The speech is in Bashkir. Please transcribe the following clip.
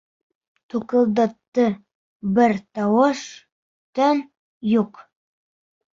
Туҡылдатты, бер тауыш-тын юҡ.